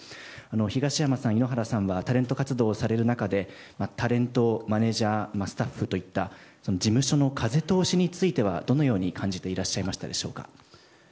東山さん、井ノ原さんはタレント活動をされる中でタレント、マネジャースタッフといった事務所の風通しについてはどのように感じていらっしゃいましたでしょうか？